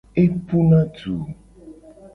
Epuna du.